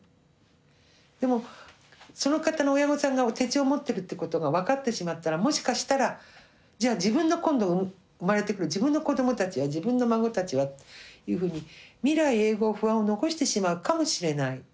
でもその方の親御さんが手帳を持ってるってことが分かってしまったらもしかしたらじゃあ自分の今度生まれてくる自分の子どもたちは自分の孫たちはっていうふうに未来永劫不安を残してしまうかもしれない。